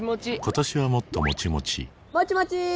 今年はもっともちもちもちもちー！